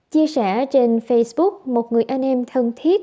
chia sẻ trên facebook một người anh em thân thiết